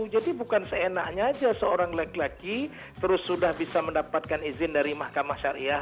jadi bukan seenaknya aja seorang laki laki terus sudah bisa mendapatkan izin dari mahkamah syariah